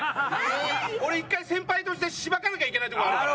俺１回先輩としてしばかなきゃいけないとこあるから。